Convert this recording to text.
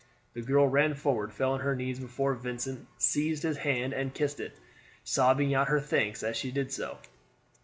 The girl ran forward, fell on her knees before Vincent, seized his hand and kissed it, sobbing out her thanks as she did so.